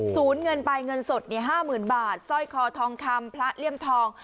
เงินไปเงินสด๕๐๐๐บาทสร้อยคอทองคำพระเลี่ยมทอง